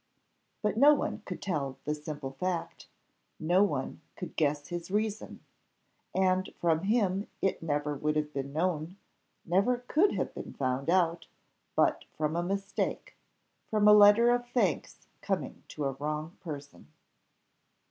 But no one could tell the simple fact, no one could guess his reason, and from him it never would have been known never could have been found out, but from a mistake from a letter of thanks coming to a wrong person.